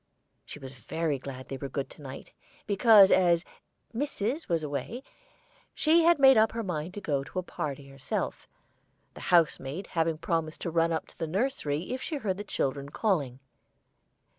She was very glad they were good to night, because, as "missis" was away, she had made up her mind to go to a party herself, the house maid having promised to run up to the nursery if she heard the children calling.